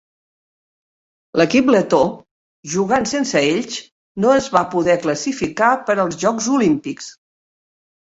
L'equip letó, jugant sense ells, no es va poder classificar per als Jocs Olímpics.